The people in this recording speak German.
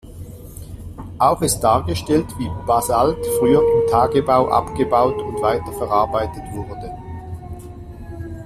Auch ist dargestellt, wie Basalt früher im Tagebau abgebaut und weiterverarbeitet wurde.